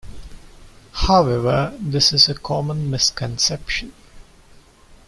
However, this is a common misconception.